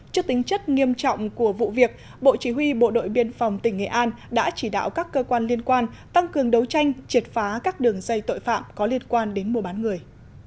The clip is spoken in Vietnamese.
trước tính chất nghiêm trọng của vụ việc bộ chỉ huy bộ đội biên phòng tỉnh nghệ an đã chỉ đạo các cơ quan liên quan tăng cường đấu tranh triệt phá các đường dây tội phạm có liên quan đến mua bán người